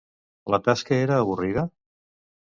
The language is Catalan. La tasca era avorrida?